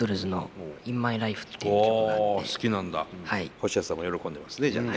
ホシヤさんも喜んでますねじゃあね。